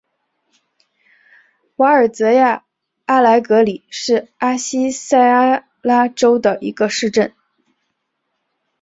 瓦尔泽亚阿莱格里是巴西塞阿拉州的一个市镇。